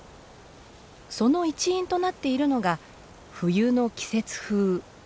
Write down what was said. その一因となっているのが冬の季節風。